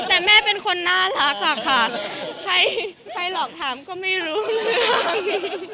แต่แม่เป็นคนน่ารักอะค่ะใครหลอกถามก็ไม่รู้เรื่อง